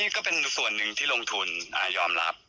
ก็ประมาณหนึ่งนะครับ